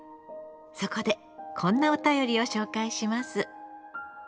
そこでこんなお便りを紹介します。